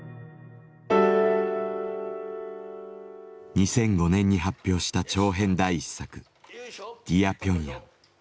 ２００５年に発表した長編第１作「ディア・ピョンヤン」。